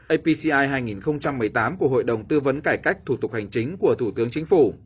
apci hai nghìn một mươi tám của hội đồng tư vấn cải cách thủ tục hành chính của thủ tướng chính phủ